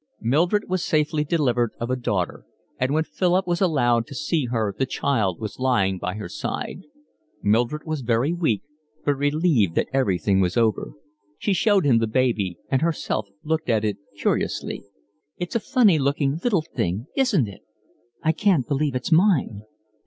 Mildred was safely delivered of a daughter, and when Philip was allowed to see her the child was lying by her side. Mildred was very weak, but relieved that everything was over. She showed him the baby, and herself looked at it curiously. "It's a funny looking little thing, isn't it? I can't believe it's mine."